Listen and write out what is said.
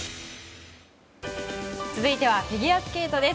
続いてはフィギュアスケートです。